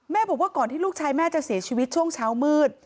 บอกว่าก่อนที่ลูกชายแม่จะเสียชีวิตช่วงเช้ามืด